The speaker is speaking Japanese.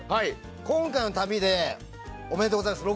今回の旅でおめでとうございます。